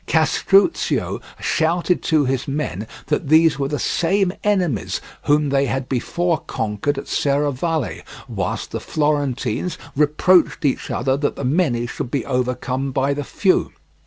Castruccio shouted to his men that these were the same enemies whom they had before conquered at Serravalle, whilst the Florentines reproached each other that the many should be overcome by the few.